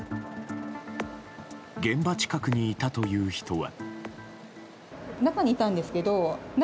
現場近くにいたという人は。